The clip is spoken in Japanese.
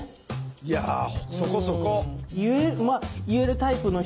いやそこそこ。